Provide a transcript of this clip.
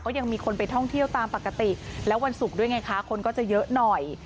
ยังมีคนไปท่องเที่ยวตามปกติแล้ววันศุกร์ด้วยไงคะคนก็จะเยอะหน่อย